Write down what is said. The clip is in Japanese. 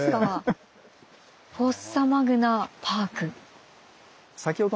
「フォッサマグナパーク」。